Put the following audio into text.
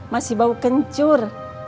masih bau kencur